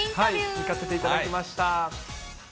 行かせていただきました。